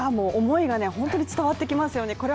思いが本当に伝わってきますね。